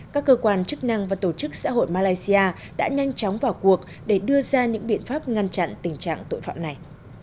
các cơ quan chức năng và tổ chức xã hội malaysia đã nhanh chóng vào cuộc để đưa ra những biện pháp ngăn chặn tình trạng tội phạm này